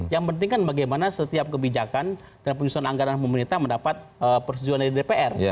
yang penting kan bagaimana setiap kebijakan dan penyusunan anggaran pemerintah mendapat persetujuan dari dpr